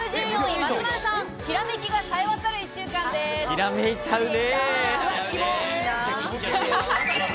ひらめいちゃうね。